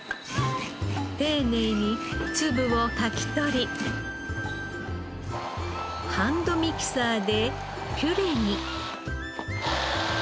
丁寧に粒をかき取りハンドミキサーでピュレに。